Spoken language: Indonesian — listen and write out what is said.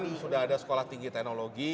sudah ada sekolah tinggi teknologi